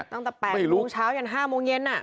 ๑๐๐๐จนทั้งตั้ง๘๐๐จน๕โมงเย็น